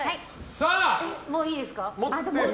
もういいですか？